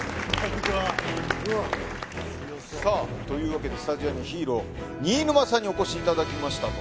さあというわけでスタジオにヒーロー新沼さんにお越しいただきましたと。